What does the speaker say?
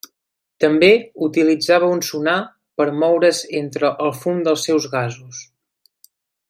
També utilitzava un sonar per moure's entre el fum dels seus gasos.